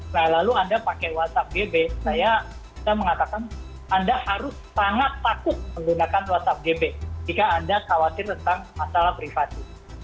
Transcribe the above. nah lalu anda pakai whatsapp gb saya mengatakan anda harus sangat takut menggunakan whatsapp gb jika anda khawatir tentang masalah privasi